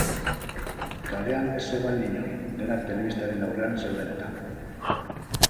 Kalean ez zegoen inor, denak telebistaren aurrean zeuden-eta.